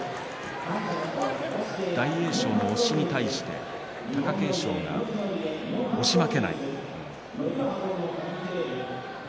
大栄翔の押しに対して貴景勝が押し負けない。